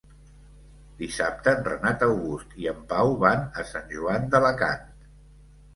Dissabte en Renat August i en Pau van a Sant Joan d'Alacant.